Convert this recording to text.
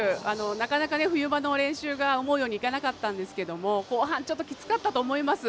なかなか冬場の練習が思うようにいかなかったんですけども後半ちょっときつかったと思います。